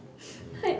はい。